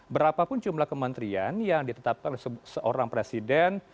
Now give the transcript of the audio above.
berapapun jumlah kementerian yang ditetapkan oleh seorang presiden